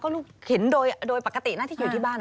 ลูกเห็นโดยปกตินะที่อยู่ที่บ้าน